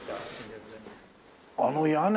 あの屋根！